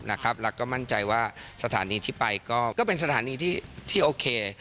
แล้วก็มั่นใจว่าสถานีที่ไปก็เป็นสถานีที่โอเค